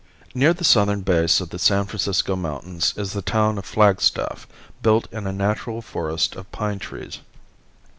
Near the southern base of the San Francisco mountains is the town of Flagstaff built in a natural forest of pine trees.